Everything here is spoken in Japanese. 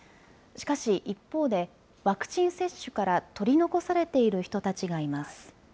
しかし、一方でワクチン接種から取り残されている人たちがいます。